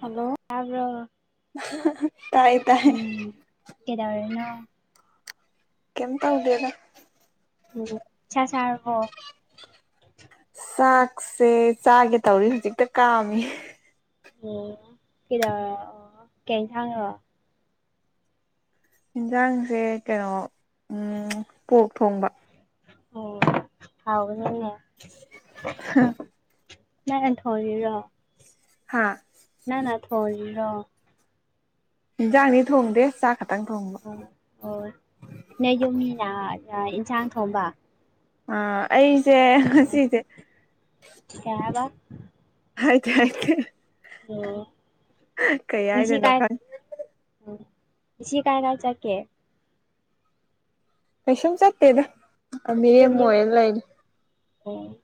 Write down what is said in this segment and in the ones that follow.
Hello ꯇꯥꯕ꯭ꯔꯣ ꯇꯥꯏ ꯇꯥꯏ ꯀꯦꯗꯧꯔꯤꯅꯣ ꯀꯩꯝ ꯇꯧꯗꯦꯗ ꯎꯝ ꯆꯥꯛ ꯆꯥꯔꯕꯣ ꯆꯥꯛꯁꯦ ꯆꯥꯒꯦ ꯇꯧꯔꯤ ꯍꯧꯖꯤꯛꯇ ꯀꯥꯝꯃꯤ ꯑꯣ ꯀꯩꯗꯧꯔ ꯀꯩ ꯏꯟꯁꯥꯡꯅꯣ ꯏꯟꯁꯥꯡꯁꯦ ꯀꯩꯅꯣ ꯎꯝ ꯄꯣꯛ ꯊꯣꯡꯕ ꯑꯣ ꯍꯥꯎꯕꯅꯤꯅꯦ ꯅꯪꯅ ꯊꯣꯡꯏꯔꯣ ꯍꯥ ꯅꯪꯅ ꯊꯣꯡꯂꯤꯔꯣ ꯏꯟꯖꯥꯡꯗꯤ ꯊꯣꯡꯗꯦ ꯆꯥꯛ ꯈꯛꯇꯪ ꯊꯣꯡꯕ ꯑꯣ ꯅꯣꯏ ꯌꯨꯝꯃꯤꯅ ꯏꯟꯁꯥꯡ ꯊꯣꯡꯕ ꯑꯥ ꯑꯩꯁꯦ ꯉꯁꯤꯁꯦ ꯀꯩ ꯍꯥꯏꯕ ꯍꯥꯏꯗꯤ ꯍꯥꯏꯇꯦ ꯑꯣ ꯀꯩ ꯉꯁꯤ ꯍꯥꯏꯗꯣꯏꯅꯣ ꯀꯥꯏ ꯈꯪꯗꯦ ꯉꯁꯤ ꯀꯥꯏꯗ ꯆꯠꯀꯦ ꯀꯩꯁꯨꯝ ꯆꯠꯇꯦꯗ ꯑꯗꯨꯝ ꯃꯤꯔꯦꯝ ꯌꯨꯝ ꯑꯣꯏꯔ ꯂꯩꯔꯤ ꯑꯣ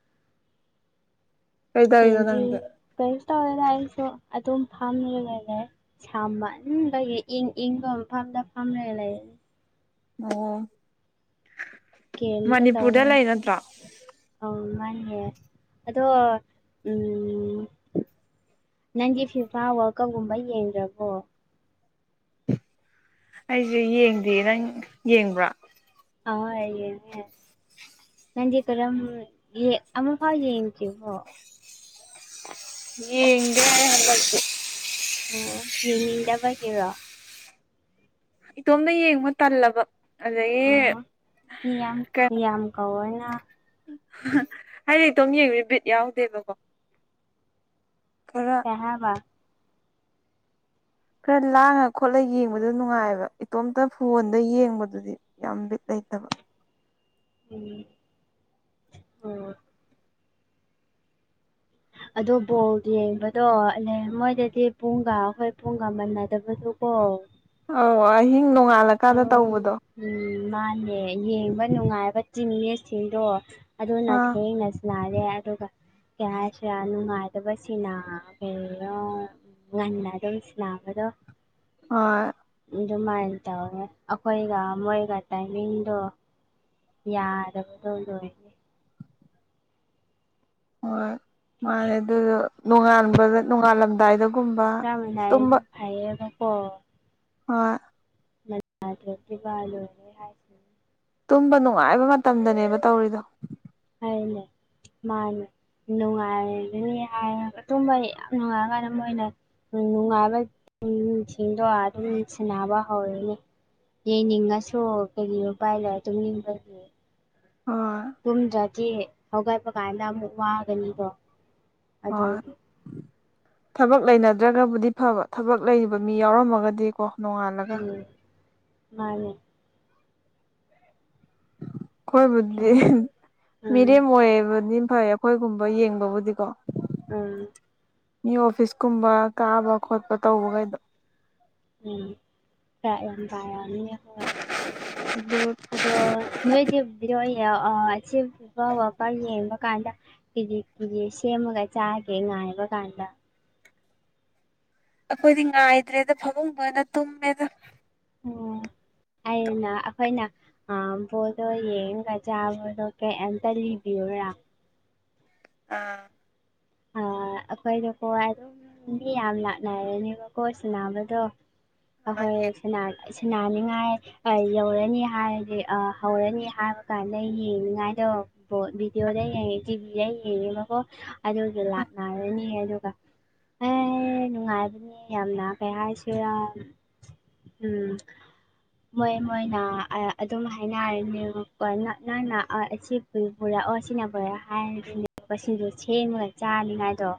ꯀꯩꯗꯧꯔꯤꯅꯣ ꯑꯦꯖꯤ ꯅꯪꯗꯤ ꯀꯔꯤꯁꯨ ꯇꯧꯗꯦꯗ ꯑꯩꯁꯨ ꯑꯗꯨꯝ ꯐꯝꯃꯤꯒ ꯂꯩꯑꯦ ꯁꯝꯟꯕꯒꯤ ꯏꯪ ꯏꯪꯕ ꯃꯐꯝꯗ ꯐꯥꯝ ꯂꯩ ꯑꯣ ꯃꯅꯤꯄꯨꯔꯗ ꯂꯩ ꯅꯠꯇ꯭ꯔꯣ ꯑꯥꯎ ꯃꯥꯅꯦ ꯑꯗꯣ ꯎꯝ ꯅꯪꯗꯤ ꯐꯤꯐꯥ ꯋꯥꯜꯀꯞ ꯀꯨꯝꯕ ꯌꯦꯡꯗ꯭ꯔꯕꯣ ꯑꯩꯁꯦ ꯌꯦꯡꯗꯦ ꯅꯪ ꯌꯦꯡꯕ꯭ꯔꯥ ꯑꯥ ꯍꯣꯏ ꯌꯦꯡꯉꯦ ꯅꯪꯗꯤ ꯀꯔꯝ ꯑꯃꯨꯛꯐꯥꯎ ꯌꯦꯡꯗ꯭ꯔꯤꯕꯣ ꯌꯦꯡꯗꯦ ꯍꯟꯗꯛꯇꯤ ꯑꯣ ꯌꯦꯡꯅꯤꯡꯗꯕꯒꯤꯔꯣ ꯏꯇꯣꯝꯗ ꯌꯦꯡꯕ ꯇꯜꯂꯕ ꯑꯗꯒꯤ ꯑꯣ ꯃꯤ ꯌꯥꯝ ꯀꯩꯅꯣ ꯃꯤ ꯌꯥꯝ ꯀꯧꯔꯣꯅ ꯍꯥꯏꯗꯤ ꯏꯇꯣꯝ ꯌꯦꯡꯕꯁꯦ ꯕꯤꯠ ꯌꯥꯎꯗꯦꯕꯀꯣ ꯈꯔ ꯑꯌꯥꯕ ꯈꯔ ꯂꯥꯡꯉ ꯈꯣꯠꯂ ꯌꯦꯡꯕꯗꯣ ꯅꯨꯡꯉꯥꯏꯑꯦꯕ ꯏꯇꯣꯝꯇ ꯐꯣꯟꯗ ꯌꯦꯡꯕꯗꯨꯗꯤ ꯌꯥꯝ ꯕꯤꯠ ꯂꯩꯇꯕ ꯎꯝ ꯑꯣ ꯑꯗꯣ ꯕꯣꯜ ꯌꯦꯡꯕꯗꯣ ꯑꯂꯩ ꯃꯣꯏꯗꯗꯤ ꯄꯨꯡꯒ ꯑꯩꯈꯣꯏ ꯄꯨꯡꯒ ꯃꯅꯗꯕꯗꯨ ꯀꯣ ꯑꯧ ꯑꯍꯤꯡ ꯅꯣꯡꯉꯥꯜꯂꯀꯥꯟꯗ ꯇꯧꯕꯗꯣ ꯎꯝ ꯃꯥꯅꯦ ꯌꯦꯡꯕ ꯅꯨꯡꯉꯥꯏꯕ ꯆꯤꯡꯅꯦꯁꯤꯡꯗꯣ ꯑꯗꯨꯅ ꯑꯥ ꯊꯦꯡꯅꯁ__ ꯅꯥꯔꯦ ꯑꯗꯨꯒ ꯀꯌꯥꯁꯨ ꯌꯥꯝ ꯅꯨꯡꯉꯥꯏꯇꯕꯁꯤꯅ ꯀꯩꯔꯣ ꯉꯟꯅ ꯑꯗꯨꯝ ꯁꯥꯟꯅꯕꯗꯣ ꯍꯣꯏ ꯑꯗꯨꯃꯥꯏꯅ ꯇꯧꯋꯦ ꯑꯩꯈꯣꯏꯒ ꯃꯣꯏꯒ ꯇꯥꯏꯃꯤꯡꯗꯣ ꯌꯥꯗꯕꯗꯣ ꯗꯣꯏ__ ꯍꯣꯏ ꯃꯥꯅꯦ ꯑꯗꯨꯗꯣ ꯅꯣꯡꯉꯥꯟꯕꯗ ꯅꯣꯡꯉꯥꯜꯂꯝꯗꯥꯏꯗ ꯆꯥꯃꯤꯟꯅꯔꯤꯗꯣ ꯐꯩꯌꯦꯕꯀꯣ ꯍꯣꯏ ꯃꯗꯥꯗꯤ ꯗꯤꯕꯥ ꯂꯣꯏꯔꯦ ꯍꯥꯏꯁꯤꯅꯤ ꯇꯨꯝꯕ ꯅꯨꯡꯉꯥꯏꯕ ꯃꯇꯝꯗꯅꯦꯕ ꯇꯧꯔꯤꯗꯣ ꯍꯥꯏꯅꯦ ꯃꯥꯅꯦ ꯅꯨꯡꯉꯥꯏꯔꯅꯤ ꯍꯥꯏꯔꯒ ꯇꯨꯝꯕ ꯌꯥꯝ ꯅꯨꯡꯉꯥꯏꯔꯀꯥꯟꯗ ꯃꯣꯏꯅ ꯅꯨꯡꯉꯥꯏꯕꯏꯪꯁꯤꯡꯗꯣ ꯑꯗꯨꯝ ꯁꯥꯟꯅꯕ ꯍꯧꯔꯅꯤ ꯌꯦꯡꯅꯤꯡꯉꯁꯨ ꯀꯩꯔꯤ ꯎꯄꯥꯏ ꯂꯩ ꯇꯨꯝꯅꯤꯡꯕꯒꯤ ꯍꯣꯏ ꯇꯨꯝꯗ꯭ꯔꯗꯤ ꯍꯧꯒꯠꯄ ꯀꯥꯟꯗ ꯑꯃꯨꯛ ꯋꯥꯒꯅꯤꯗꯣ ꯍꯣꯏ ꯊꯕꯛ ꯂꯩꯅꯗ꯭ꯔꯒꯕꯨꯗꯤ ꯐꯕ ꯊꯕꯛ ꯂꯩꯔꯤꯕ ꯃꯤ ꯌꯥꯎꯔꯝꯃꯒꯗꯤꯀꯣ ꯅꯣꯉꯥꯟꯂꯒ ꯎꯝ ꯃꯥꯅꯦ ꯑꯩꯈꯣꯏꯕꯨꯗꯤ ꯈꯜꯂꯤ ꯎꯝ ꯃꯤꯔꯦꯝ ꯑꯣꯏꯌꯦꯕꯗꯤ ꯐꯩ ꯑꯩꯈꯣꯏꯒꯨꯝꯕ ꯌꯦꯡꯕꯕꯨꯗꯤꯀꯣ ꯎꯝ ꯃꯤ ꯑꯣꯐꯤꯁ ꯀꯨꯝꯕ ꯀꯥꯕ ꯈꯣꯠꯄ ꯇꯧꯕꯒꯩꯗꯣ ꯎꯝ ꯆꯥꯛ ꯌꯥꯝ ꯇꯥꯔꯝꯅꯤ ꯍꯣꯏ ꯑꯗꯨ ꯑꯗꯣ ꯅꯣꯏꯗꯤ ꯕꯤꯗꯣꯌꯣ ꯑꯥ ꯑꯁꯤ ꯐꯤꯐꯥ ꯋꯥꯜ ꯀꯞ ꯋꯥꯕ ꯌꯦꯡꯕ ꯀꯥꯟꯗ ꯀꯦꯖꯤ ꯀꯨꯖꯤ ꯁꯦꯝꯃꯒ ꯆꯥꯒꯦ ꯉꯥꯏꯕ ꯀꯥꯟꯗ ꯑꯩꯈꯣꯏꯗꯤ ꯉꯥꯏꯗ꯭ꯔꯦꯗ ꯐꯕꯨꯡꯗ ꯑꯣꯏꯅ ꯇꯨꯝꯃꯦꯗ ꯑꯣ ꯑꯩꯅ ꯑꯩꯈꯣꯏꯅ ꯑꯥ ꯕꯣꯜꯗꯣ ꯌꯦꯡꯉꯒ ꯆꯥꯕꯗꯣ ꯀꯩꯑꯝꯇ ꯂꯤꯕꯤꯌꯨꯔꯥ ꯑꯥ ꯑ ꯑꯩꯈꯣꯏꯗꯀꯣ ꯑꯗꯨꯝ ꯃꯤ ꯌꯥꯝ ꯂꯥꯛꯅꯔꯦꯅꯦꯕꯀꯣ ꯁꯥꯟꯅꯕꯗꯣ ꯑꯥ ꯑꯍꯣꯏ ꯌꯦꯡꯉꯣ ꯁꯅꯥ ꯑꯁꯅꯥꯅꯤꯡꯉꯥꯏ ꯑꯥ ꯌꯧꯔꯅꯤ ꯍꯥꯏꯔꯗꯤ ꯍꯧꯔꯅꯤ ꯍꯥꯏꯕ ꯀꯥꯟꯗ ꯌꯦꯡꯅꯤꯡꯉꯥꯏꯗꯣ ꯕꯣ ꯚꯤꯗꯤꯑꯣꯗ ꯌꯦꯡꯉꯦ ꯇꯤꯚꯤꯗ ꯌꯦꯡꯉꯦꯕꯀꯣ ꯑꯗꯨꯒ ꯂꯥꯛꯅꯔꯅꯤ ꯑꯗꯨꯒ ꯍꯦ ꯅꯨꯡꯉꯥꯏꯕꯅꯦ ꯌꯥꯝꯅ ꯀꯩ ꯍꯥꯏꯁꯤꯔ ꯎꯝ ꯃꯣꯏ ꯃꯣꯏꯅ ꯑꯥ ꯑꯗꯨꯝ ꯍꯥꯏꯅꯔꯅꯤꯕꯀꯣ ꯅꯛꯅꯅ ꯑꯥ ꯑꯁꯤ__ ꯑꯩꯈꯣꯏ ꯄꯨꯔꯛꯑꯣ ꯁꯤꯅ ꯕꯣꯔꯥ ꯍꯥꯏꯔꯛ ꯄꯁꯤꯡꯗꯣ ꯁꯦꯝꯃꯒ ꯆꯥꯅꯤꯡꯉꯥꯏꯗꯣ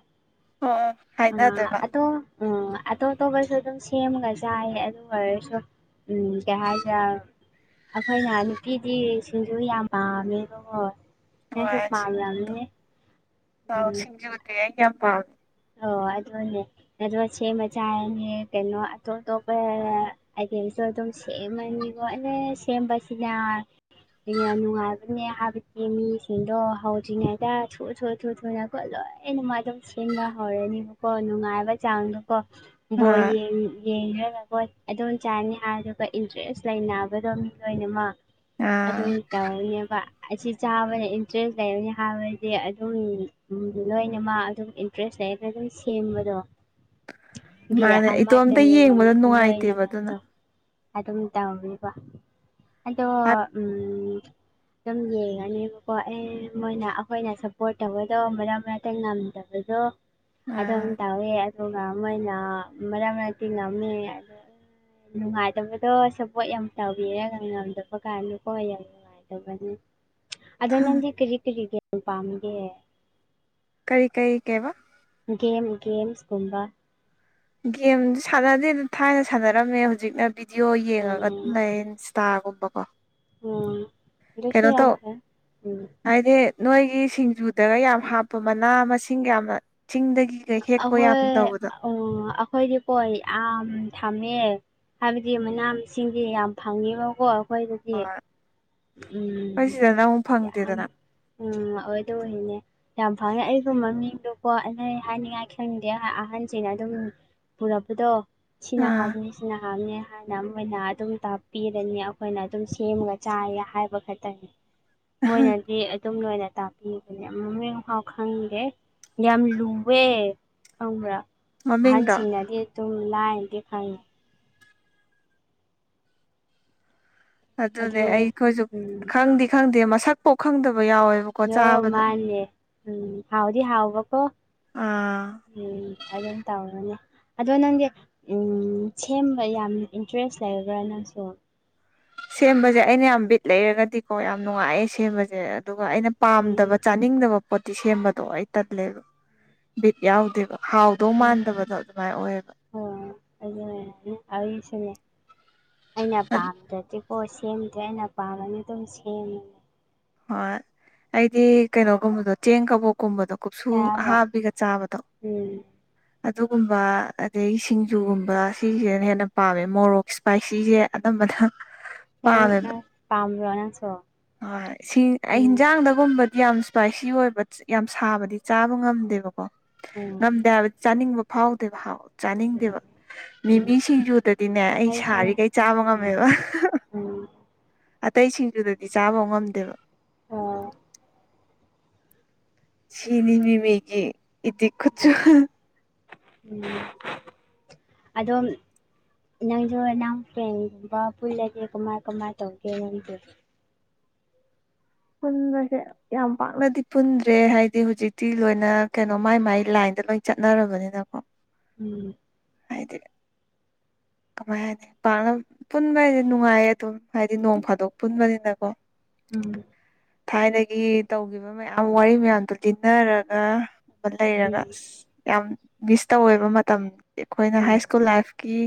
[unintelligible] ꯑ ꯑꯇꯣꯞ ꯎꯝ ꯑꯇꯣꯞ ꯑꯇꯣꯞꯄꯁꯨ ꯑꯗꯨꯝ ꯁꯦꯝꯒ ꯆꯥꯏ ꯑꯗꯨ ꯑꯣꯏꯔꯁꯨ ꯎꯝ ꯀꯩ ꯍꯥꯏꯗ ꯑꯩꯈꯣꯏꯅ ꯅꯨꯄꯤꯗꯤ ꯁꯤꯡꯖꯨ ꯌꯥꯝ ꯄꯥꯝꯃꯦꯕ ꯍꯣꯏ ꯍꯣꯏ ꯁꯤꯡꯖꯨꯗꯣ ꯑꯥꯎ [unintelligible] [unintelligible] ꯑꯣ ꯑꯗꯣꯅꯦ ꯑꯗꯨ ꯁꯦꯃꯥ ꯆꯥꯔꯥꯅꯤ ꯀꯩꯅꯣ ꯑꯇꯣꯞ ꯑꯇꯣꯄꯥ ꯑꯗꯨꯩꯁꯨ ꯑꯗꯨꯝ ꯁꯦꯝꯃꯅꯤꯀꯣ ꯑꯗ ꯁꯦꯝꯕꯁꯤꯅ ꯅꯨꯡꯉꯥꯏꯕꯅꯦ ꯍꯥꯏꯕꯗꯤ ꯃꯤꯁꯤꯡꯗꯣ ꯍꯧꯗ꯭ꯔꯤꯉꯩꯗ ꯊꯨ ꯁꯨ ꯊꯨ ꯊꯨꯅ ꯑꯩꯈꯣꯌ ꯂꯣꯏꯅ ꯅꯨꯪꯉꯥꯏꯇꯥꯕꯥ ꯁꯦꯡꯅ ꯍꯧꯔꯅꯤꯕꯀꯣ ꯅꯨꯡꯉꯥꯏꯕ ꯆꯥꯡꯗꯣꯀꯣ ꯕꯣꯔ ꯍꯣꯏ ꯌꯦꯡ ꯌꯦꯡꯅꯒꯣ ꯑꯗꯨꯝ ꯆꯥꯅꯤ ꯍꯥꯏ ꯑꯗꯨꯒ ꯏꯟꯇꯔꯦꯁ ꯂꯩꯅꯕꯗꯣ ꯃꯤ ꯂꯣꯏꯅꯃꯛ ꯑꯥ ꯑꯗꯨꯝ ꯇꯥꯎꯅꯦꯕ ꯑꯁꯤ ꯆꯥꯕꯗ ꯏꯟꯇꯔꯦꯁ ꯂꯩꯔꯅꯤ ꯍꯥꯏꯕꯗꯤ ꯑꯗꯨꯝ ꯂꯣꯏꯅꯃꯛ ꯑꯗꯨꯝ ꯏꯟꯇꯦꯔꯦꯁ ꯂꯩꯅ ꯑꯗꯨꯝ ꯁꯦꯝꯕꯗꯣ [unintelligible] ꯃꯥꯅꯦ ꯏꯇꯣꯝꯇ ꯌꯦꯡꯕꯗꯣ ꯅꯨꯡꯉꯥꯏꯇꯦꯕ ꯑꯗꯨꯅ ꯑꯗꯨꯝ ꯇꯧꯔꯤꯕ ꯑꯩꯗꯣ ꯎꯝ ꯑꯗꯨꯝ ꯌꯦꯡꯉꯅꯦꯕꯀꯣ ꯑꯦ ꯃꯣꯏꯅ ꯑꯩꯈꯣꯏꯅ ꯁꯞꯄꯣꯔꯠ ꯇꯧꯕꯗ‌ꫭ ꯃꯔꯛ ꯃꯔꯛꯇ ꯉꯝꯗꯝ ꯑꯗꯨꯗꯣ ꯑꯗꯨꯝ ꯑꯥ ꯇꯧꯋꯦ ꯑꯗꯨꯒ ꯃꯣꯏꯅ ꯃꯔꯛ ꯃꯔꯛꯇꯤꯉꯝꯃꯦ ꯑꯗ‌ꫭ ꯅꯨꯡꯉꯥꯏꯇꯕꯗꯣ ꯁꯞꯄꯣꯠ ꯌꯥꯝ ꯇꯧꯕꯤꯔꯒ ꯉꯝꯗꯕ ꯀꯥꯟꯗꯀꯣ ꯌꯦꯝ... ꯗꯧꯕꯅꯤ ꯑꯗꯣ ꯅꯪꯗꯤ ꯀꯔꯤ ꯀꯔꯤ ꯒꯦꯃ ꯄꯥꯝꯃꯤꯒꯦ ꯀꯔꯤ ꯀꯩ ꯀꯩꯕ ꯒꯦꯝ ꯒꯦꯝꯁ ꯀꯨꯝꯕ ꯒꯦꯝꯗꯨ ꯁꯥꯟꯅꯗꯦꯗ ꯊꯥꯏꯅ ꯁꯥꯟꯅꯔꯝꯃꯦ ꯍꯧꯖꯤꯛꯅ ꯕꯤꯗꯤꯑꯣ ꯌꯦꯡꯉꯒ ꯎꯝ ꯑꯗꯨꯝ ꯂꯩꯔ° ꯇꯥꯒꯨꯝꯕ ꯀꯣ ꯎꯝ ꯍꯧꯖꯤꯛꯁꯨ ꯌꯥꯝꯃ° ꯎꯝ ꯍꯥꯏꯗꯤ ꯅꯣꯏꯒꯤ ꯁꯤꯡꯖꯨꯗꯒ ꯌꯥꯝ ꯍꯥꯞꯄ ꯃꯅꯥ ꯃꯁꯤꯡꯒ ꯌꯥꯝꯅ ꯆꯤꯡꯗꯒꯤ ꯍꯦꯛꯄ ꯌꯥꯝ ꯇꯧꯕꯗꯣ ꯑꫭ ꯑꯩꯈꯣꯏꯗꯤꯀꯣ ꯌꯥꯝ ꯊꯝꯃꯦ ꯍꯥꯏꯕꯗꯤ ꯃꯅꯥ ꯃꯁꯤꯡꯗꯤ ꯌꯥꯝ ꯐꯪꯉ‌ꯦꯕꯀꯣ ꯑꯩꯈꯣꯏꯗ ꯍ ꯑ‌ꫭꯏ ꯑꯩꯈꯣꯏ ꯁꯤꯗ ꯅ ꯑꯃꯨꯛ ꯌꯥꯝ ꯐꯪꯗꯦꯗꯅ ꯎꯝ ꯑꯣꯏ ꯗ‌ꫭꯏꯅꯦ ꯌꯥꯝ ꯐꯪꯑꯦ ꯑꯩꯒꯨꯃꯕ ꯃꯤꯡꯗꯨꯂ ꯅ ꯍꯥꯏꯅꯤꯡꯉꯥꯏ ꯈꯪꯅꯤꯡꯗꯦ ꯑꯍꯟꯁꯤꯅ ꯑꯗꯨꯝ ꯄꯨꯔꯛꯄꯗꯣ ꯁꯤꯅ ꯑꯥ ꯍꯥꯎꯕꯅ‌ꯦ ꯁꯤꯅ ꯍ‌ꯎꯕꯅ‌ꯦ ꯍꯥꯏꯅ ꯃꯣꯏꯅ ꯑꯗꯨꯝ ꯇꯥꯛꯄꯤꯕꯅ‌ꯦ ꯑꯩꯈꯣꯏꯅ ꯑꯗꯨꯝ ꯁꯦꯝꯃꯒ ꯆꯥꯏꯌꯦ ꯍꯥꯏꯕ ꯈꯛꯇꯅꯤ ꯃꯣꯏꯅꯗꯤ ꯑꯗꯨꯝ ꯂꯣꯏꯅ ꯇꯥꯛ ꯄꯤꯕꯅ ꯑꯝ ꯃꯃꯤꯡ ꯐꯥꯎ ꯈꯪꯗꯦ ꯌꯥꯝ ꯂꯨꯋꯦ ꯈꯪꯕ꯭ꯔꯥ ꯑꯍꯟ ꯃꯃꯤꯡꯗꯣ ꯁꯤꯡꯅꯗꯤ ꯇꯨꯝ ꯂꯥꯏꯅꯗꯤ ꯐ‌ꯪꯏ ꯑꯗꯨ ꯑꯗꯨꯅꯦ ꯑꯩꯈꯣꯏꯁꯨ ꯎꯝ ꯈꯪꯗꯤ ꯈꯪꯗꯦ ꯃꯁꯛꯐꯥꯎ ꯈꯪꯗꯕ ꯌꯥꯎꯋꯦꯕ... ꯅꯣ ꯃꯥꯅꯦ ꯎꯝ ꯍꯥꯎꯗꯤ ꯍꯥꯎꯕꯀꯣ ꯑꯥ ꯎꯝ ꯑꯗꯨꯝ ꯇꯧꯕꯅ‌ꯦ ꯑꯗꯣ ꯅꯪꯗꯤ ꯎꯝ ꯁꯦꯝꯕ ꯌꯥꯝ ꯏꯟꯇꯔꯦꯁ ꯂꯩꯕꯔꯥ ꯅꯪꯁꯨ ꯁꯦꯝꯕꯁꯦ ꯑꯩꯅ ꯌꯥꯝ ꯕꯤꯠ ꯂꯩꯔꯒꯗꯤꯀꯣ ꯌꯥꯝ ꯅꯨꯡꯉꯥꯏꯌꯦ ꯁꯦꯝꯕꯁꯦ ꯑꯗꯨꯒ ꯑꯩꯅ ꯎꯝ ꯄꯥꯝꯗꯕ... ꯆꯥꯅꯤꯡꯗꯕ ꯄꯣꯠꯇꯤ ꯁꯦꯝꯕꯗꯣ ꯑꯩ ꯇꯟꯂꯦꯕ ꯕꯤꯠ ꯌꯥꯎꯗꯦꯕ ꯍꯥꯎ ꯗꯧ ꯃꯥꯟꯗꯕꯗꯣ ꯑꯗꯨꯃꯥꯏ ꯑꯣꯏꯌꯦꯕ ꯑꯣ ꯑꯗꯨꯅꯦ ꯑꯩꯁꯨꯅꯦ ꯑꯩꯅ ꯄꯥꯝꯗ꯭ꯔꯗꯤ ꯑꯣ ꯁꯦꯝꯗ꯭ꯔꯦ ꯑꯩꯅ ꯄꯥꯝꯃꯅꯤ ꯑꯗꯨꯝ ꯁꯦꯝꯃꯦ ꯍꯣꯏ ꯑꯩꯗꯤ ꯀꯩꯅꯣꯒꯨꯝꯕꯗꯣ ꯆꯦꯡ ꯀꯕꯣꯛꯀꯨꯝꯕꯗꯣ ꯀꯨꯞꯁꯨ ꯌꯥꯕ ꯑꯍꯥꯕꯤꯒ ꯆꯥꯕꯗꯣ ꯎꯝ ꯑꯗꯨꯒꯨꯝꯕ ꯑꯗꯒꯤ ꯁꯤꯡꯖꯨꯒꯨꯝꯕ ꯁꯤꯁꯤꯅ ꯍꯦꯟꯅ ꯄꯥꯝꯃꯦ ꯃꯣꯔꯣꯛ ꯏꯄꯥꯏꯁꯤꯁꯦ ꯑꯅꯝꯕꯅ.. ꯅꯪ ꯄꯥꯝꯃꯦꯕ ꯅꯪ ꯄꯥꯝꯕꯔ‌ꫭ ꯅꯪꯁꯨ ꯍꯣꯏ ꯁꯤ ꯑꯩ ꯎꯝ ꯍꯤꯟꯖꯥꯡꯗꯒꯨꯝꯕ ꯌꯥꯝ ꯁ꯭ꯄꯥꯏꯁꯤ ꯑꯣꯏꯕ ꯌꯥꯝ ꯁꯥꯕꯗꯤ ꯆꯥꯕ ꯉꯝꯗꯦꯕꯀꯣ ꯎꯝ ꯉꯝꯗꯦ ꯍꯥꯏ ꯆꯥꯅꯤꯡꯕ ꯐꯥꯎꯗꯦꯕ ꯍꯥꯎ ꯆꯥꯅꯤꯡꯗꯦꯕ ꯎꯝ ꯃꯤꯃꯤꯁꯤꯡꯖꯨꯗꯗꯤꯅꯦ ꯑꯩ ꯑꯩꯁꯨꯅꯦ ꯁꯥꯔꯤꯒꯩ ꯆꯥꯕ ꯉꯝꯃꯦꯕ ꯎꯝ ꯑꯇꯩ ꯁꯤꯡꯖꯨꯗꯗꯤ ꯆꯥꯕ ꯉꯝꯗꯦꯕ ꯑꫭ ꯁꯤꯅꯤꯅ‌ꯦ ꯃꯤꯒꯤ ꯏꯇꯤ ꯈꯨꯨꯆꯨ ꯎꯝ ꯑꯗꯣꯝ ꯅꯪꯁꯨ ꯅꯪ ꯐ꯭ꯔꯦꯟꯒꯨꯝꯕ ꯄꯨꯜꯂꯗꯤ ꯀꯃꯥꯏ ꯀꯃꯥꯏ ꯇꯧꯒꯦ ꯅ‌ꯪꯁꯨꯨ ꯄꯨꯟꯕꯁꯦ ꯌꯥꯝ ꯄꯥꯛꯅꯗꯤ ꯄꯨꯟꯗ꯭ꯔꯦ ꯍꯥꯏꯗꯤ ꯍꯨꯖꯤꯛꯇꯤ ꯂꯣꯏꯅ ꯀꯩꯅꯣ ꯃꯥꯏ ꯃꯥꯏ ꯂꯥꯏꯟꯗ ꯂꯣꯏꯅ ꯆꯠꯅꯔꯕꯅꯤꯅ ꯎꯝ ꯍꯥꯏꯗꯤ ꯀꯃꯥꯏ ꯍꯥꯏꯅꯤ ꯄꯥꯛꯅ ꯄꯨꯟꯕ ꯍꯥꯏꯁꯤ ꯅꯨꯡꯉꯥꯏꯌꯦ ꯑꯗꯨꯝ ꯍꯥꯏꯗꯤ ꯅꯣꯡ ꯐꯥꯗꯣꯛ ꯄꯨꯟꯕꯅꯤꯅꯀꯣ ꯎꯝ ꯊꯥꯏꯅꯒꯤ ꯇꯧꯒꯤꯕ ꯃꯌꯥꯝ ꯋꯥꯔꯤ ꯃꯌꯥꯝꯗꯨ ꯂꯤꯟꯅꯔꯒ [unintelligible] ꯂꯩꯔꯒ ꯎꯝ ꯑ ꯌꯥꯝ ꯃꯤꯁ ꯇꯧꯋꯦꯕ ꯃꯇꯝ ꯑꯩꯈꯣꯏꯅ ꯎꯝ ꯍꯥꯏ ꯁ꯭ꯀꯨꯜ ꯂꯥꯏꯐ ꯀꯤ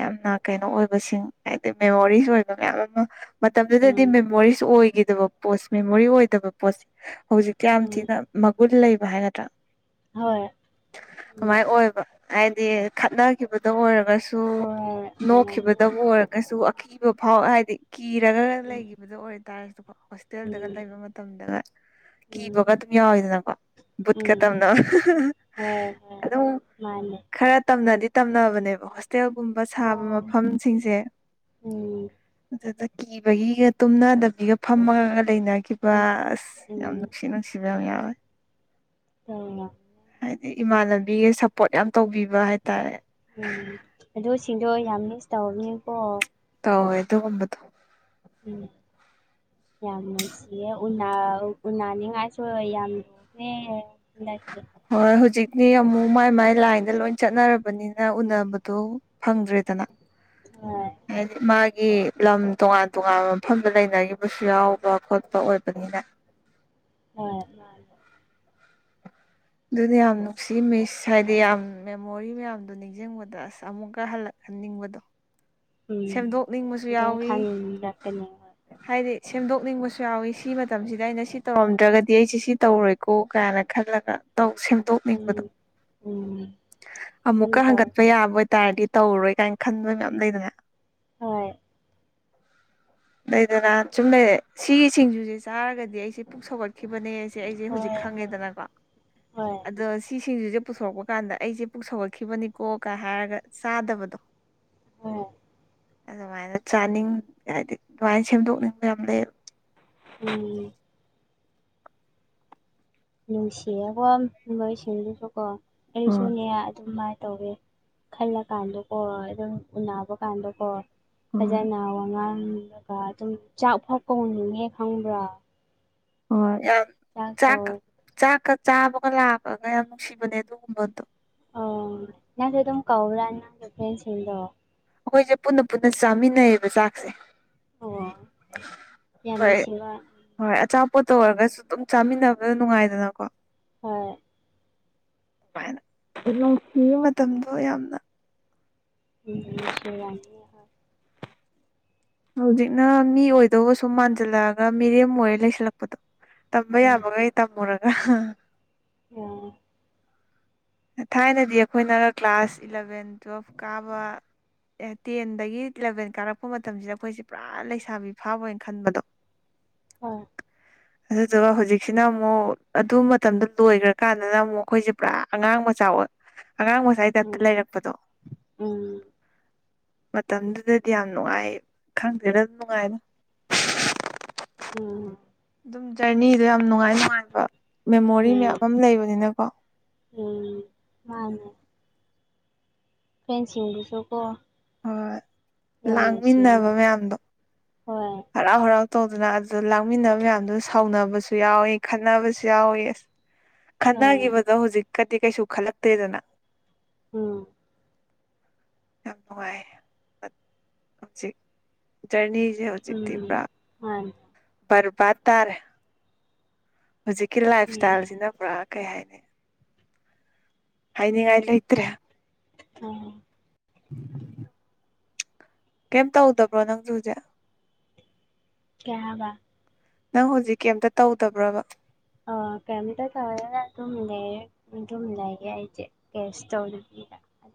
ꯌꯥꯝꯅ ꯀꯩꯅꯣ ꯑꯣꯏꯕꯁꯤꯡ ꯍꯥꯏꯗꯤ ꯃꯦꯃꯣꯔꯤꯁ ꯑꯣꯏꯕ ꯃꯌꯥꯝ ꯑꯃ ꯃꯇꯝꯗꯨꯗꯗꯤ ꯎꯝ ꯃꯦꯃꯣꯔꯤꯁ ꯑꯣꯏꯈꯤꯗꯕ ꯄꯣꯠꯁꯦ ꯃꯦꯃꯣꯔꯤ ꯑꯣꯏꯗꯕ ꯄꯣꯠꯁꯦ ꯍꯧꯖꯤꯛꯇꯤ ꯌꯥꯝ ꯎꯝ ꯊꯤꯅ ꯃꯒꯨꯟ ꯂꯩꯕ ꯍꯥꯏꯒꯗ꯭ꯔꯥ ꯍꯣꯏ ꯎꯝ ꯑꯗꯨꯃꯥꯏꯅ ꯑꯣꯏꯕ ꯍꯥꯏꯗꯤ ꯈꯠꯅꯈꯤꯕꯗ ꯑꯣꯏꯔꯒꯁꯨ ꯍꯣꯏ ꯅꯣꯛꯈꯤꯕꯗꯕꯨ ꯑꯣꯏꯔꯝꯅꯤ ꯑꯣꯏꯔꯒꯁꯨ ꯀꯤꯕ ꯐꯥꯎ ꯍꯥꯏꯗꯤ ꯀꯤꯔꯒ ꯂꯩꯈꯤꯕꯗ ꯑꯣꯏꯇꯥꯔꯒꯁꯨꯀꯣ ꯎꯝ ꯎꯝ ꯍꯣꯁꯇꯦꯜꯗꯒ ꯂꯩꯕ ꯃꯇꯝꯗꯒ ꯎꯝ ꯀꯤꯕꯒ ꯑꯗꯨꯝ ꯌꯥꯎꯋꯤꯗꯅꯀꯣ ꯕꯨꯠꯀ ꯇꯝꯅꯕ ꯎꯝ ꯑꯗꯨꯝ ꯃꯥꯟꯅꯤ ꯈꯔ ꯇꯝꯅꯗꯤ ꯇꯝꯅꯕꯅꯦꯕ ꯍꯣꯇꯦꯜꯒꯨꯝꯕ ꯁꯥꯕ ꯎꯝ ꯃꯐꯝꯁꯤꯡꯁꯦ ꯎꯝ ꯑꯗꯨꯗ ꯀꯤꯕꯒꯤꯒ ꯇꯨꯝꯅꯗꯕꯤꯒ ꯐꯝꯃꯒ ꯂꯩꯅꯈꯤꯕ ꯑꯁ ꯌꯥꯝ ꯎꯝ ꯅꯨꯡꯁꯤ ꯅꯨꯡꯁꯤꯕ ꯅꯨꯡꯁꯤꯕ ꯌꯥꯝ ꯌꯥꯎꯋ‌ꯦ [unintelligible] ꯍꯥꯏꯗꯤ ꯏꯃꯥꯟꯅꯕꯤꯒ ꯁꯞꯄꯣꯔꯠ ꯌꯥꯝ ꯇꯧꯕꯤꯕ ꯍꯥꯏꯇꯥꯔꯦ ꯎꯝ ꯑꯗꯨꯁꯤꯡꯗꯣ ꯌꯥꯝ ꯃꯤꯁ ꯇꯧꯕꯅꯤꯀꯣ ꯇꯧꯋꯦ ꯑꯗꯨꯒꯨꯝꯕꯗꯣ ꯎꯝ ꯌꯥꯝꯅꯨꯡꯁꯤꯌ‌ꯦ ꯎꯟꯅ ꯎꯟꯅꯅꯤ ꯍꯥꯏꯁꯨ ꯌꯥꯝ [unintelligible] ꯍꯣꯏ ꯍꯧꯖꯤꯛꯇꯤ ꯑꯃꯨꯛ ꯃꯥꯏ ꯃꯥꯏ ꯂꯥꯏꯟꯗ ꯂꯣꯏ ꯆꯠꯅꯔꯕꯅꯤꯅ ꯎꯅꯕꯗꯣ ꯐꯪꯗ꯭ꯔꯦꯗꯅ ꯍꯣꯏ ꯍꯥꯏꯗꯤ ꯃꯥꯒꯤ ꯂꯝ ꯇꯣꯉꯥꯟ ꯇꯣꯉꯥꯟꯕ ꯃꯐꯝꯗ ꯂꯩꯅꯈꯤꯕꯁꯨ ꯌꯥꯎꯕ ꯈꯣꯠꯄ ꯑꯣꯏꯕꯅꯤꯅ ꯍꫭꯏ ꯃꯥꯅꯤ ꯑꯗꯨꯅꯦ ꯌꯥꯝ ꯅꯨꯡꯁꯤ ꯃꯤꯁ ꯍꯥꯏꯗꯤ ꯌꯥꯝ ꯃꯦꯃꯣꯔꯤ ꯃꯌꯥꯝꯗꯣ ꯅꯤꯡꯁꯤꯡꯕ ꯑꯁ ꯑꯃꯨꯛꯀ ꯍꯜꯂꯛꯍꯟꯅꯤꯡꯕꯗꯣ ꯎꯝ ꯁꯦꯝꯗꯣꯛꯅꯤꯡꯕꯁꯨ ꯑꯗꯨꯝ ꯌꯥꯎꯋꯤ ꯈꯟꯔꯛꯀꯅꯤ ꯍꯥꯏꯗꯤ ꯁꯦꯝꯗꯣꯛꯅꯤꯡꯕꯁꯨ ꯌꯥꯎꯏꯤ ꯁꯤ ꯃꯇꯝꯁꯤꯗ ꯑꯩꯅ ꯁꯤ ꯇꯧꯔꯝꯗ꯭ꯔꯒꯗꯤ ꯑꯩꯁꯦ ꯁꯤ ꯇꯧꯔꯣꯏ ꯀꯣ ꯀꯥꯏꯅ ꯈꯜꯂꯒ ꯇꯣꯛ ꯁꯦꯝꯗꯣꯛ ꯍꯣꯏ ꯅꯤꯡꯕꯗꯣ ꯎꯝ ꯎꯝ ꯑꯗꯨꯝ ꯑꯃꯨꯛꯀ ꯇꯧ ꯍꯪꯒꯠꯄ ꯌꯥꯕ ꯇꯥꯏꯗꯤ ꯇꯧꯔꯔꯣꯏ ꯀꯥꯏꯅ ꯈꯟꯕ ꯃꯌꯥꯝ ꯂꯩꯗꯅ ꯍꯣꯏ ꯂꯩꯗꯅ ꯁꯨꯝ ꯂꯩꯔꯦ ꯁꯤꯒꯤ ꯁꯤꯡꯖꯨꯁꯦ ꯆꯥꯔꯒꯗꯤ ꯑꯩꯁꯦ ꯄꯨꯛ ꯁꯧꯒꯠꯀ ꯈꯤꯕꯅꯦꯁꯦ ꯑꯩꯁꯦ ꯍꯧꯖꯤꯛ ꯍꯣꯏ ꯍꯣꯏ ꯈꯪꯉꯦꯗꯅꯀꯣ ꯍꯣꯏ ꯑꯗꯣ ꯁꯤꯁꯤꯡꯖꯨꯁꯤꯁꯦ ꯄꯨꯊꯣꯔꯛꯄ ꯀꯥꯟꯗ ꯑꯩꯁꯦ ꯄꯨꯛ ꯁꯧꯒꯠꯈꯤꯕꯅꯤꯀꯣꯒ ꯍꯥꯏꯔꯒ ꯆꯥꯗꯕꯗꯣ ꯍꫭꯏ ꯑꯗꯨꯃꯥꯏꯅ ꯆꯥꯅꯤꯡ ꯍꯥꯏꯗꯤ ꯑꯗꯨꯃꯥꯏꯅ ꯁꯦꯝꯗꯣꯛꯅꯤꯡꯕ ꯌꯥꯝ ꯂꯩꯌꯦꯕꯥ ꯎꯝ ꯅꯨꯡꯁꯤꯌꯦꯀꯣ ꯃꯣꯏꯁꯤꯡꯗꯨꯁꯨ ꯀꯣ ꯑꯩ ꯍꯣꯏ ꯁꯨꯅꯦ ꯑꯗꯨꯃꯥꯏꯅ ꯇꯧꯋꯤ ꯈꯜꯂꯀꯥꯟꯗꯀꯣ ꯑꯗꯨꯝ ꯎꯅꯕ ꯀꯥꯟꯗꯀꯣ ꯍꯣꯏ ꯐꯖꯅ ꯋꯥꯉꯥꯡꯂꯒ ꯑꯗꯨꯝ ꯆꯥꯛ ꯐꯥꯎ ꯀꯧꯍꯟꯅꯤꯡꯉꯦ ꯈꯪꯕ꯭ꯔꯥ? ꯍꯣꯏ ꯌꯥꯝ ꯆꯥꯛ ꯀꯧ ꯆꯥꯛꯀ ꯆꯥꯛꯀ ꯆꯥꯕꯒ ꯂꯥꯛꯄꯒ ꯌꯥꯝ ꯅꯨꯡꯁꯤꯕꯅꯦ ꯑꯗꯨꯒꯨꯝꯕꯗꯣ ꯑꯣ ꯅꯪꯗꯤ ꯑꯗꯨꯝ ꯀꯧꯕ꯭ꯔꯥ ꯅꯪꯒꯤ ꯐ꯭ꯔꯦꯟꯁꯤꯡꯗꯣ? ꯑꯩꯈꯣꯏꯁꯦ ꯄꯨꯟꯅ ꯄꯨꯟꯅ ꯆꯥꯃꯤꯟꯅꯩꯌꯦꯕ ꯆꯥꯛꯁꯦ ꯑꯣ ꯍꯣꯏ ꯌꯥꯝꯅꯨꯡꯁꯤꯕ ꯍꯣꯏ ꯑꯆꯥꯄꯣꯠꯇ ꯑꯣꯏꯔꯒꯁꯨ ꯑꯗꯨꯝ ꯆꯥꯃꯤꯟꯅꯕꯗ ꯅꯨꯡꯉꯥꯏꯗꯅꯀꯣ ꯍꯣꯏ [unintelligible] ꯅꯨꯡꯁꯤꯌ‌ꯦ ꯃꯇꯝꯗꯣ ꯌꯥꯝꯅ ꯅꯨꯡꯁꯤꯔꯝꯅꯤ ꯍꯧꯖꯤꯛꯅ ꯃꯤ ꯑꯣꯏꯗꯧꯕꯁꯨꯨꯝ ꯃꯥꯟꯖꯜꯂꯛꯑꯒ ꯃꯤꯔꯦꯝ ꯑꯣꯏꯔ ꯂꯩꯁꯜꯂꯛꯄꯗꯣ ꯇꯝꯕ ꯎꯝ ꯌꯥꯕꯒꯩ ꯇꯝꯃꯨꯔꯒ ꯎꯝ ꯊꯥꯏꯅꯗꯤ ꯑꯩꯈꯣꯏꯅ ꯀ꯭ꯂꯥꯁ ꯏꯂꯥꯚꯦꯟ ꯇꯨꯋꯦꯜꯐ ꯀꯥꯕ ꯑꯦ ꯇꯦꯟꯗꯥꯒꯤ ꯏꯂꯚꯦꯟ ꯀꯥꯔꯛꯄ ꯃꯇꯝꯁꯤꯗ ꯑꯩꯈꯣꯏꯁꯦ ꯄꯨꯔꯥ ꯂꯩꯁꯥꯕꯤ ꯐꯥꯕꯣꯏꯅ ꯈꯟꯕꯗꯣ ꯍꯣꯏ ꯑꯗꯨꯗꯨꯒ ꯍꯧꯖꯤꯛꯁꯤꯅ ꯑꯃꯨꯛ ꯑꯗꯨ ꯃꯇꯝꯗ ꯂꯣꯏꯈ꯭ꯔꯀꯥꯟꯗꯅ ꯑꯃꯨꯛ ꯑꯩꯈꯣꯏꯁꯦ ꯄꯨꯔꯥ ꯑꯉꯥꯡ ꯃꯆꯥ ꯑꯣꯏ ꯑꯉꯥꯡ ꯃꯆꯥꯒꯤ ꯇꯥꯥꯏꯞꯇ ꯎꯝ ꯂꯩꯔꯛꯄꯗꯣ ꯎꯝ ꯃꯇꯝꯗꯨꯗꯗꯤ ꯌꯥꯝ ꯅꯨꯡꯉꯥꯏ ꯈꯪꯗꯦꯗ ꯑꯗꯨꯝ ꯅꯨꯡꯉꯥꯏꯉꯣ ꯎꯝ ꯑꯗꯨꯝ ꯖꯔꯅꯤꯗꯣ ꯌꯥꯝ ꯅꯨꯡꯉꯥꯏ ꯅꯨꯡꯉꯥꯏꯕ ꯃꯦꯃꯣꯔꯤ ꯎꯝ ꯃꯌꯥꯝ ꯑꯃ ꯂꯩꯕꯅꯤꯅꯀꯣ ꯎꯝ ꯃꯥꯅꯦ ꯐ꯭ꯔꯦꯟꯁꯤꯡꯗꯨꯁꯨꯀꯣ ꯍꯣꯏ ꯌꯥꯝꯅꯥ ꯂꯥꯡꯃꯤꯟꯅꯕ ꯅꯨꯡꯁꯤꯔꯝꯅꯤ ꯃꯌꯥꯝꯗꯣ ꯍꯣꯏ ꯍꯔꯥꯎ ꯍꯔꯥꯎ ꯇꯧꯗꯅ ꯑꯗꯨꯗ ꯂꯥꯡꯃꯤꯟꯅ ꯃꯌꯥꯝꯗꯨ ꯁꯥꯎꯅꯕꯁꯨ ꯌꯥꯎꯋꯤ ꯈꯠꯅꯕꯁꯨ ꯌꯥꯎꯋꯤ ꯑꯁ ꯍꯣꯏ ꯈꯠꯅꯈꯤꯕꯗꯣ ꯍꯧꯖꯤꯛꯀꯗꯤ ꯀꯩꯁꯨ ꯈꯜꯂꯛꯇꯦꯗꯅ ꯎꯝ ꯌꯥꯝ ꯅꯨꯡꯉꯥꯏ ꯍꯧꯖꯤꯛ ꯖꯔꯅꯤꯖꯦ ꯎꯝ ꯃꯥꯅꯦ ꯕꯔꯕꯥꯠ ꯇꯥꯔꯦ ꯍꯧꯖꯤꯛꯀꯤ ꯂꯥꯏꯞ ꯎꯝ ꯏꯁꯇꯥꯏꯜꯖꯤꯅ ꯄꯨꯔꯥ ꯀꯩ ꯍꯥꯏꯅꯤ ꯍꯥꯏꯅꯤꯡꯉꯥꯏ ꯂꯩꯇ꯭ꯔꯦ ꯑ [inaudible] ꯀꯩꯝ ꯇꯧꯗꯕ꯭ꯔꯣ ꯅꯪꯖꯨ ꯍꯧꯖꯤꯛ ꯀꯩ ꯍꯥꯏꯕ ꯅꯪ ꯍꯧꯖꯤꯛ ꯀꯩꯝꯇ ꯇꯧꯗꯕ꯭ꯔꯕ ꯑ ꯀꯩꯝꯇ ꯇꯧꯗꯦ ꯑꯗꯨꯝ ꯂꯩꯌꯦ ꯑꯗꯨꯝ ꯂꯩꯌꯦ ꯑꯩꯗꯤ ꯀꯔꯤꯁꯨ ꯇꯧꯗꯕꯤꯗ